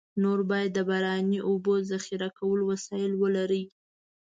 نور باید د باراني اوبو ذخیره کولو وسایل ولري.